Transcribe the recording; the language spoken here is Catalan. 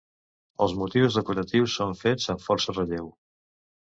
Els motius decoratius són fets amb força relleu.